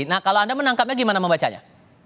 nah kalau anda menangkapnya gimana membacanya